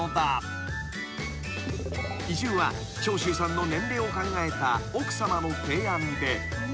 ［移住は長州さんの年齢を考えた奥さまの提案で］